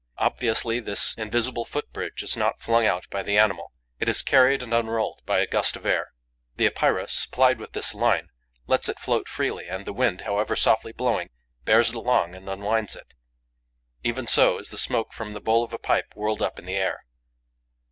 Obviously, this invisible foot bridge is not flung out by the animal: it is carried and unrolled by a gust of air. The Epeira, supplied with this line, lets it float freely; and the wind, however softly blowing, bears it along and unwinds it. Even so is the smoke from the bowl of a pipe whirled up in the air.